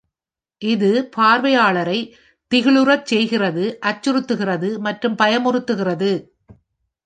இது பார்வையாளரை திகிலுறச் செய்கிறது, அச்சுறுத்துகிறது மற்றும் பயமுறுத்துகிறது.